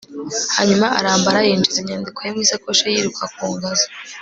Hanyuma arambara yinjiza inyandiko ye mu isakoshi ye yiruka ku ngazi